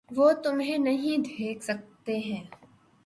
وہ تمہیں نہیں دیکھ سکتے ہیں۔